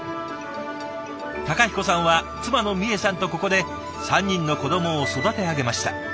孝彦さんは妻のみえさんとここで３人の子どもを育て上げました。